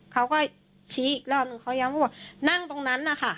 เขาก็ชี้อีกรอบนึงเขายังเขาบอกนั่งตรงนั้นนะคะ